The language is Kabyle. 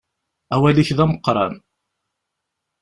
Awal-ik d ameqqran.